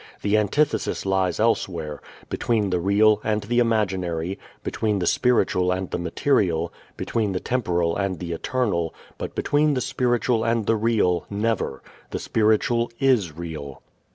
The antithesis lies elsewhere: between the real and the imaginary, between the spiritual and the material, between the temporal and the eternal; but between the spiritual and the real, never. The spiritual is real.